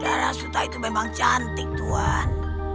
darah suta itu memang cantik tuhan